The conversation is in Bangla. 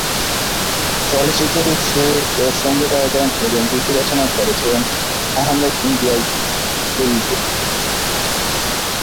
চলচ্চিত্রটির সুর ও সঙ্গীতায়োজন এবং গীত রচনা করেছেন আহমেদ ইমতিয়াজ বুলবুল।